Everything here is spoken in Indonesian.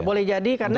boleh jadi karena